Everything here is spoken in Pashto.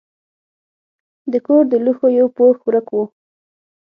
د کور د لوښو یو پوښ ورک و.